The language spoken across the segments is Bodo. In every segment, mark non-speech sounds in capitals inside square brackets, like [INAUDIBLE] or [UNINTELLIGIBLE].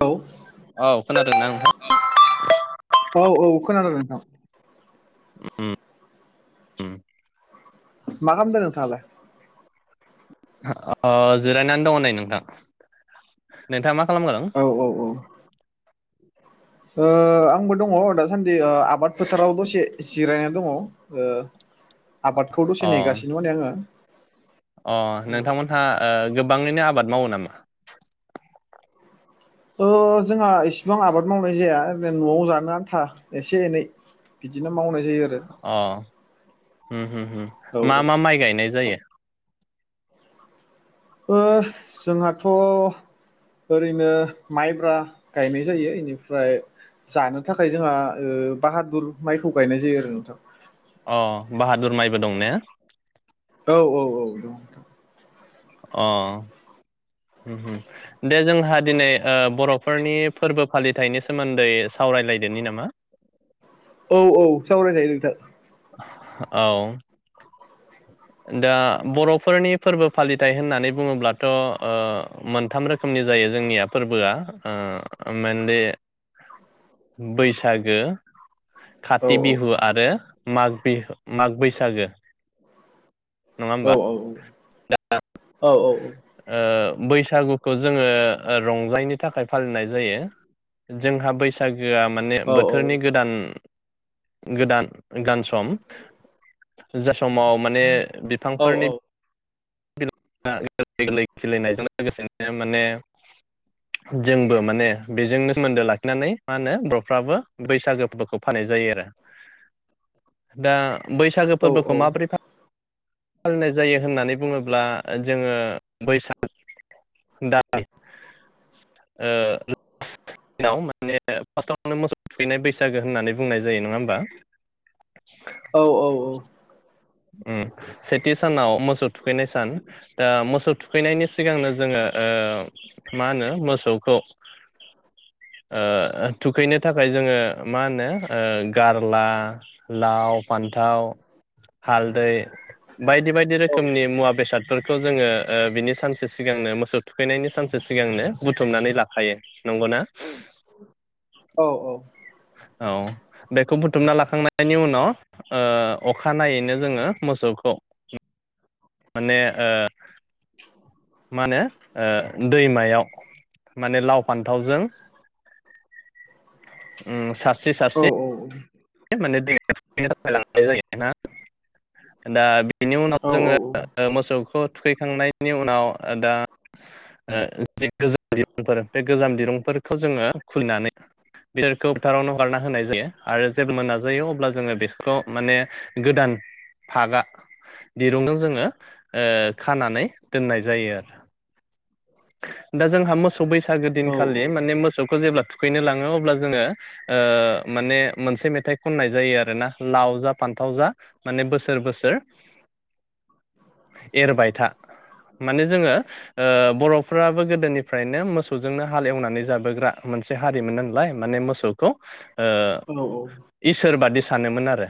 औ औ खोनादोंनां नोंथां? औ औ खोनादों नोंथां । उम उम मा खालामदों नोंथांआलाय? ओ जिरायनानै दङ नै नोंथां नोंथाङा मा- खालामगादों औ औ औ ओ आंबो दङ दासान्दि ओ आबाद फोथाराव दसे जिरायना दङ ओ आबादखौ दसे अ नेगासिनो माने आङो। अ नोंथांमोनहा ओ गोबाङैनो आबाद मावो नामा? [UNINTELLIGIBLE] ओ जोंहा - इसिबां आबाद मावनाय जाया। न'आव जानो आन्था एसे एनै बिदिनो मावनाय- जायो आरो। हु हु हु औ मा मा औ माइ गायनाय जायो [INAUDIBLE] ओ जोंहाथ' ओरैनो माइब्रा गायनाय जायो इनिफ्राय जानो थाखाय जोंहा बाहादुर माइखौ गायनाय जायो आरो नोंथां अ बाहादुर माइबो दं नो औ औ औ दं । अ हु हु न बे जोंहा दिनै ओ बर'फोरनि फोरबो फालिथायनि सोमोन्दै सावरायलायदोनि नामा औ औ सावरायखायो नोंथां औ दा बर'फोरनि फोरबो फालिथाय होननानै बुङोब्लाथ' ओ मोनथाम रोखोमनि जायो जोंनिया फोरबोआ मेनलि बैसागो औ काथि बिहु आरो माग बिहु माग बैसागो नङा औ होमबा औ औ ओ बैसागुखौ जोङो ओ रंजायनि थाखाय फालिनाय जायो जोंहा बैसागु गोआ माने बोथोरनि गोदान गोदान गाम सम जा समाव माने बिफांफोरनि दा गोरलै खिलिनायजों लोगोसेनो माने जोंबो माने बेजोंनो सोमोन्दो लाखिनानै मा होनो बर'फ्राबो बैसागो फोरबोखौ फाननाय जायो आरो दा बैसागो फोरबोखौ माबोरै फा फालिनाय जायो होननानै बुङोब्ला जोङो बैसाग दान [UNINTELLIGIBLE] ओ माने फारस्ताव मोसौ थैनाय बैसागो होननानै बुंनाय जायो नङा होमबा उम सेथि सानाव मोसौ थुखैनाय सान दा मोसौ फैनायनि सिगांनो जोङो ओ मा होनो मोसौखौ ओ थुखैनो थाखाय जोङो मा होनो ओ गारला लाव फान्थाव हालदै बायदि बायदि रोखोमनि मुवा बेसादफोरखौ जोङो ओ बिनि सानसे सिगांनो मोसौ थुखैनायनि सानसे सिगांनो बुथुमनानै लाखायो। नंगौना? औ बेखौ बुथुमना लाखांनायनि उनाव ओ अखानायैनो जोङो मोसौखौ माने ओ मा होनो ओ दैमायाव माने लाव फान्थावजों उम सारस्रि सारस्रि माने [INAUDIBLE] [UNINTELLIGIBLE] दा बिनि उनाव जोङो ओ मोसौखौ थुखैखांनायनि उनाव ओ दा जि गोजाम दिरुंफोर बे गोजाम दिरुंफोरखौ जोङो खुलिनानै बिसोरखौ फोथारावनो हगारना होनाय जायो आरो [UNINTELLIGIBLE] नाजायो अब्ला जोङो बेखौ माने गोदान फागा दिरुंजों जोङो ओ खानानै दोननाय जायो आरो। दा जोंहा मोसौ बैसागो दिनखालि माने मोस सौखौ जेब्ला थुखैनो लाङो अब्ला जोङो ओ माने मोनसे मेथाइ खननाय जायो आरोना लाव जा फान्थाव जा माने बोसोर बोसोर एरबाय था माने जोङो ओ बर' फोराबो गोदोनि फ्रायनो मोसौजोंनो हाल एवनानै जाबोग्रा मोनसे हारिमोन ओनलाय माने मोसौखौ ओ इसोर बादि सानोमोन आरो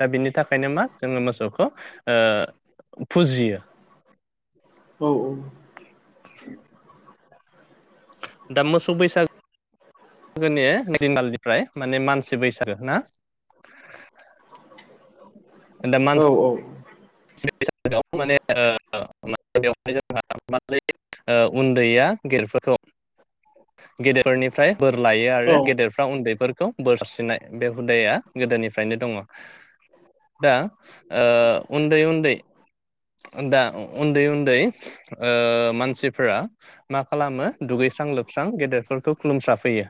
दा बिनि थाखायनो मा जोङो मोसौखौ ओ फुजियो। औ औ। [UNINTELLIGIBLE] दा मोसौ बैसा गोनि [UNINTELLIGIBLE] माने मानसि बैसागो ना? दा औ मानसि औ। [INAUDIBLE] ओ उन्दैया गेदेरफोरखौ गेदेरफोरनिफ्राय बोर लायो आरो गेदेरफ्रा उन्दैफोर खौ बोर साबस्रिनाय बे हुदाया गोदोनिफ्रायनो दङ'। दा ओ उन्दै उन्दै दा उन्दै उन्दै ओ मानसिफोरा मा खालामो दुगैस्रां लोब स्रां गेदेरफोरखौ खुलुमस्राफैयो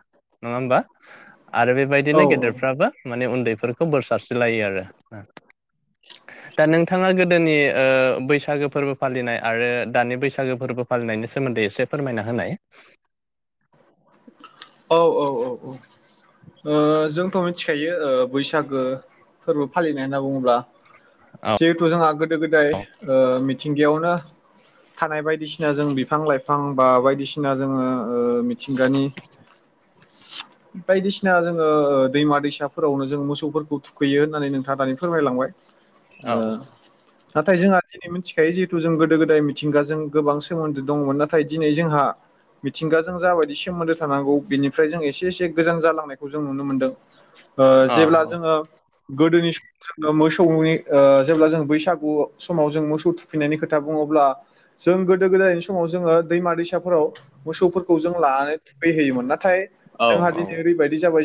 नङा होमबा? आरो बेबायदिनो गेदेरफ्राबो माने उन्दै फोरखौ बोर साबस्रिलायो आरो दा नोंथाङा गोदोनि ओ बैसागो फोरबो फालिनाय आरो दानि बैसागो फोरबो फालिनायनि सोमोन्दै एसे फोरमायना होनाय। औ ओ जोंथ' मिथिखायो बैसागो फोरबो फालिनाय होनना बुङोब्ला औ जिहेथु जोंहा गोदो गोदाय ओ मि मिथिंगायावनो थानाय बायदिसिना जों बिफां लाइफां बा बायदिसिना जोङो ओ मिथिंगानि बायदिसिना जोङो ओ दैमा दैसाफोरावनो जों मोसौफोरखौ थुखैयो होननानै नोंथाङा दानि फोरमायलांबाय औ ओ नाथाय जोंहा दिनै मोन्थिखायो जिहेथु जों गोदो गोदाय मिथिंगाजों गोबां सोमोन्दो दंमोन नाथाय दिनै जोंहा मिथिंगाजों जाबायदि सोमोन्दो थानांगौ बिनिफ्राय जों एसे एसे गोजान जालांनायखौ जों नुनो मोनदों। ओ औ जेब्ला जोङो गोदोनि समाव जोङो मोसौनि ओ जेब्ला जों बैसागु समाव जों मोसौ थुखैनायनि खोथा बुङो अब्ला जों गोदो गोदायनि समाव जोङो दैमा दैसाफोराव मोसौफोरखौ जों लानानै थुखै होयोमोन नाथाय औ जोंहा औ दिनै ओरैबायदि जाबाय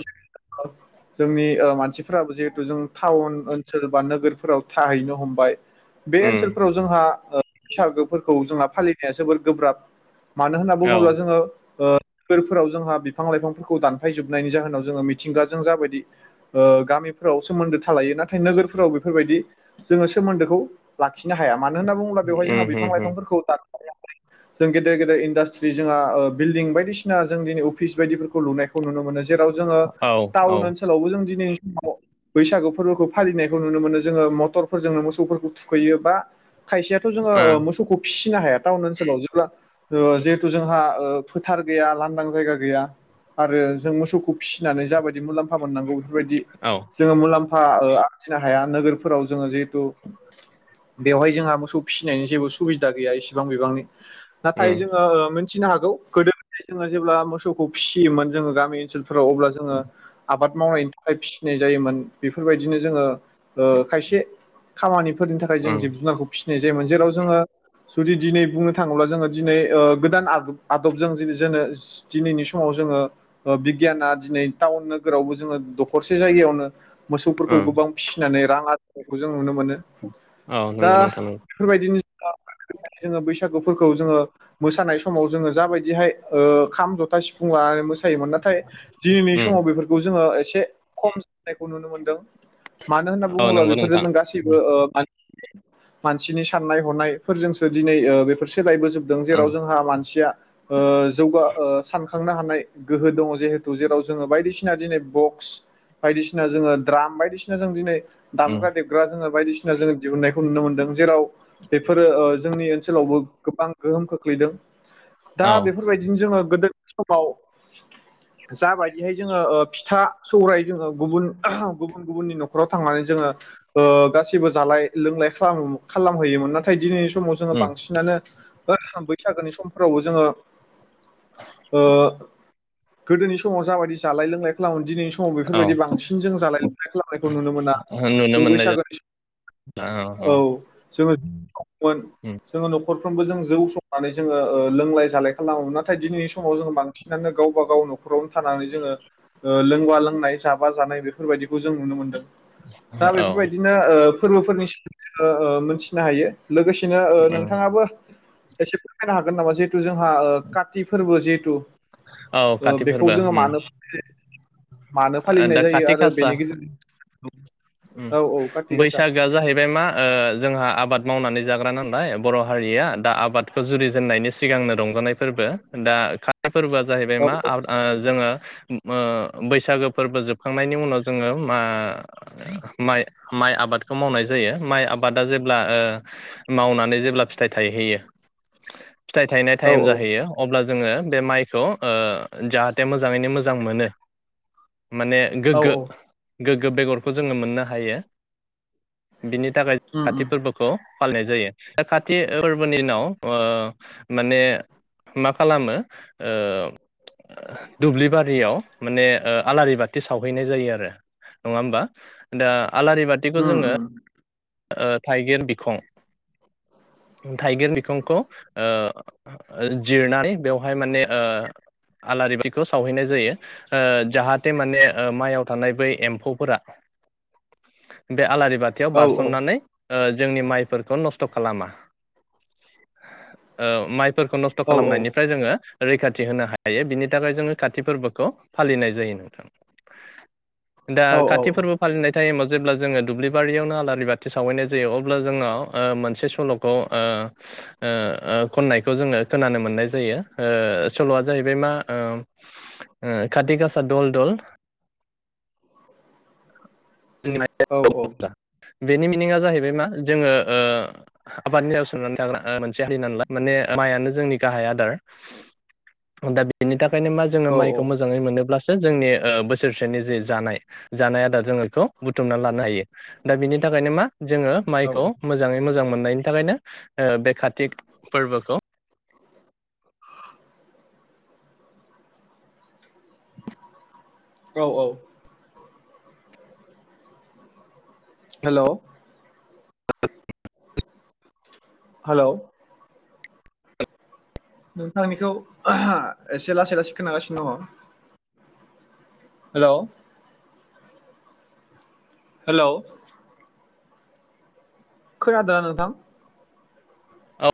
जोंनि मानसिफोराबो जिहेतु जों टाउन ओनसोल बा नोगोरफोराव थाहैनो हमबाय बे उम ओनसोलफोराव जोंहा बैसागोफोरखौ जोंहा फालिनाया जोबोर गोब्राब। मानो होनना औ बुङोब्ला जोङो ओ फोरबोफोराव जोंहा बिफां लाइफांफोरखौ दानफायजोबनायनि जाहोनाव जोङो मिथिंगाजों जाबायदि ओ गामिफोराव सोमोन्दो थालायो नाथाय नोगोरफोराव बेफोरबायदि जोङो सोमोन्दोखौ लाखिनो हाया मानो होनना बुङोब्ला बेवहायो जोंहा उम बिफां उम लाइफांफोरखौ दान जों गेदेर गेदेर इन्डास्ट्रि जोंहा बिल्डिं बायदिसिना जों दिनि अ फिस बायदिफोरखौ लुनायखौ नुनो मो जेराव जोङो औ ओ टाउन ओनसोलावबो जों दिनै बैसागु फोरबोखौ फालिनायखौ नुनो मोनो जोङो मटरफोरजोंनो मोसौफोरखौ थुखैयो बा खायसेयाथ' जोङो मोसौखौ फिनो हाया। टाउन ओनसोलाव जेब्ला ओ जिहेथु जोंहा फोथार गैया लांदां जायगा गै गैया आरो जों मोसौखौ फिनानै जाबायदि मुलाम्फा फा मेननांगौ बेफोरबायदि औ जोङो मुलाम्फा ओ आरजिनो हाया नोगोरफोराव जोङो जिहेथु बेवहाय जोंहा मोसौ फिनायनि जेबो सुबिदा दा गैया एसेबां बिबांनि नाथाय उम जोङो ओ फिनो हागौ गोदोय गोदाय जोंहा जेब्ला मोसौ खौ फिमोनो गामि ओनसोल फोराव अब्ला जोङो आबाद मावनायनि थाखाय फिनाय जायोमोन बेफोरबायदिनो जोङो ओ खायसे खामानि फोरनि थाखाय जों उम जिब जुनारखौ फि नाय जायोमोन जेराव जोङो जुदि दिनै बुंनो थाङोब्ला जोङो दिनै ओ गोदान आदबजों जों दिनै जोङो दिनैनि समाव जोङो बिगियाना दिनै टाउन नोगोरावबो जोङो दखरसे जायगायावनो मोसौफोरखौ उम गोबां फिनानै रां आरजिनायखौ जों नुनो मोनो औ दा नंगौ नोंथां नंगौ बेफोरबायदिनो [UNINTELLIGIBLE] जोङो बैसागुफोरखौ जोङो मोसानाय समाव जोङो जाबायदिहाय ओ खाम, जथा, सिफुं लानानै मोसा मोन नाथाय दिनैनि उम समाव बे जोंङो। एसे खम जानायखौ नुनो मोनदों मानो होनना औ बुङोब्ला नंगौ बेफोरजों नोंथां नों गासैबो उम म मानसिनि साननाय हनाय फोरजोंसो दिनै ओ बेफोर सोलायबोजोबदों जेराव जोंहा मानसिया ओ ओ सान खांनो हानाय गोहो दङ जिहेथु जेराव जोङो बायदिसिना दिनै बक्स बायदिसिना जोङो द्राम बायदिसिना जों दिनै उम दामग्रा देबग्रा जोङो बायदिसि [INAUDIBLE] जोङो दिहुननायखौ नुनो मोनदों जेराव बेफोरो ओ जोंनि ओनसोलावबो गोबां गोहोम खोख्लैदों। दा औ बेफोरबायदिनो जोङो गोदोनि समाव जाबायदिहाय जोङो फिथा सौराय जोङो गुबुन गुबुन गुबुननि न'खराव थांनानै जोङो गासैबो जालाय लोंलाय खालामहैयोमोन नाथाय दिनै समाव जोङो उम बांसिनानो हाबै बैसागोनि समफोरावबो जोङो। ओ गोदोनि समाव जाबायदि जालाय लोंलाय खालामो दिनै समाव औ बेफोरबायदि बांसिन जों जालाय लोंनाय खालामनायखौ नुनो मोना नुनो जों मोननाय बैसागोनि सम औ जोङो मोन उम जोङो न'खर साफ्रोमबो जों जौ संनानै जोङो लोंलाय जालाय खालामोमोन ना नाथाय दिनैनि समाव जोङो बांसिनानो गावबा गाव न'खरावनो थानानै जोङो लोंबा लोंनाय जाबा जानाय बेफोरबायदिखौ जों नुनो मोनदों। दा औ बेफोरबायदिनो ओ फोरबोफोरनि सो मोनथिनो हायो। लोगोसेनो ओ उम नोंथाङाबो एसे फोरमायनो हागोन नामा जिहेथु जोंहा ओ का थि फोरबो जिहेतु औ ओ बेखौ जोङो मानो। मानो आ फालिनाय दा जायो खाथि आरो गासा बेनि गेजेरजों औ औ काति ओम गासा बैसागोआ जाहैबाय मा ओ जोंहा आबाद मावनानै जाग्रा नालाय बर हारिया दा आबादखौ जुरिजेननायनि सिगांनो रंजानायफोरबो दा फोरबोआ जाहैबाय औ मा आ जोङो ओ बै बैसागो फोरबो जोबखांनायनि उनाव जोङो मा माइ माइ आबादखौ मावनाय जायो माइ आबादा जेब्ला ओ मावनानै जेब्ला फिथाइ थायहैयो। फिथाइ थायनाय औ टाइम जाहैयो अब्ला जोङो। बे माइखौ ओ जाहाथे मोजाङैनो मोजां मोनो। माने औ गोग्गो औ गोग्गो बेगरखौ जोङो मोननो हायो। बिनि थाखाय उम काति उम फोर्बोखौ फालिनाय जायो। दा खाति फोर्बोनि उनाव ओ माने मा खालामो ओ दुब्लि बारियाव बे ओ आलारि बाथि सावहैनाय जायो आरो। नङा होनबा? दा आलारि बाथिखौ उम जोङो उम ओ थाइगिर बिखं थाइगिर बिखंखौ ओ जिरनानै बेवहाय माने ओ आलारि बाथिखौ सावहैनाय जायो ओ जाहाथे माने माइआव थानाय बै एम्फौफोरा बे आलारि बाथियाव औ बारस ननानै ओ जोंनि माइफोरखौ नस्थ' खालामा। ओ माइ फोरखौ नस्थ' औ खालामनायनिफ्राय जोङो रैखाथि होनो हायो बिनि थाखाय जोङो खााति फोर्बोखौ फालिनाय जायो नोंथां। दा औ खाथि औ फोर्बो फालिनाय थाइमआव जेब्ला जोङो दुब्लिबारियावनो आलारि बा थि सावहैनाय जायो अब्ला जोंनाव ओ मोनसे सल'खौ ओ ओ ओ खननायखौ जोङो खोनानो मोननाय जायो ओ सल'आ जाहैबाय मा ओ ओ खाथिग आसा दल दल औ [UNINTELLIGIBLE] बेनि मिनिंया जाहैबाय मा जोङो ओ आबादनि सायाव सोंनानै थाग्रा मोनसे हारि नालाय। माने मायानो जोंनि गाहाय आदार। दा बेनि था खायनो मा जोङो माइखौ मोजाङै मोनोब्ला सो जोंनि ओ बोसोरसेनि जे जानाय जानाय आदार जोंङो बेखौ बुथुमना लानो हायो। दा बिनि थाखायनो मा जोङो औ माइखौ मोजाङै मोजां मोन बेनि थाखायनो ओ बे खार थिग फोर्बोखौ औ औ। Hello hello. नोंथांनिखौ एसे लासै लासै खोनागासिनो दङ। हेलौ। हेलौ। खोनादोना नोंथां? औ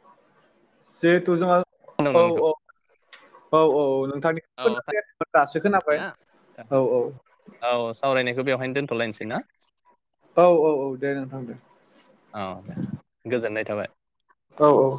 जहेथु जोङो खोनादों औ नोंनिखौ औ औ औ नोंथांनिखौ औ खोनाफैयाखैमोन दासो खोनाबाय थारैनो। औ औ। बेखौ बेवहायनो दोनथ'लायनोसै ना? औ औ औ दे नोंथां दे औ दे गोजोननाय थाबाय औ औ